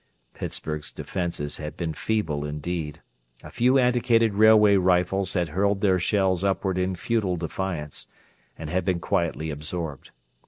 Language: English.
Pittsburgh's defenses had been feeble indeed. A few antiquated railway rifles had hurled their shells upward in futile defiance, and had been quietly absorbed.